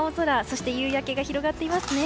そして夕焼けが広がっていますね。